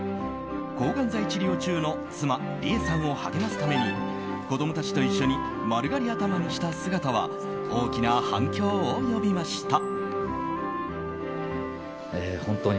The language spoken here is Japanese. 抗がん剤治療中の妻・莉瑛さんを励ますために子供たちと一緒に丸刈り頭にした姿は大きな反響を呼びました。